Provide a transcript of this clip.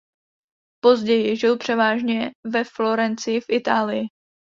Později žil převážně ve Florencii v Itálii.